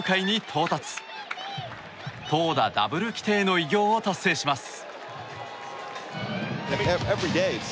投打ダブル規定の偉業を達成します。